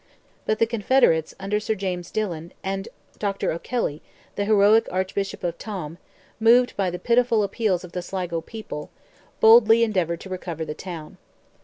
But the Confederates, under Sir James Dillon, and Dr. O'Kelly, the heroic Archbishop of Tuam, moved by the pitiful appeals of the Sligo people, boldly endeavoured to recover the town.